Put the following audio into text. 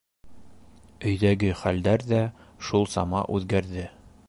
Өйҙәге хәлдәр ҙә шул сама үҙгәрҙе.